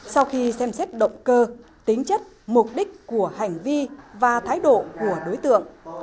sau khi xem xét động cơ tính chất mục đích của hành vi và thái độ của đối tượng